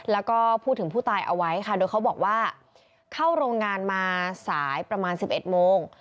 แล้วก็พูดถึงผู้ตายเอาไว้ค่ะโดยเขาบอกว่าเข้าโรงงานมาสายประมาณ๑๑โมง